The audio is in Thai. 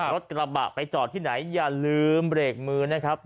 รถกระบะไปจอดที่ไหนอย่าลืมเบรกมือนะครับ